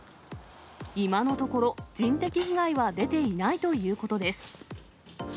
今のところ、人的被害は出ていないということです。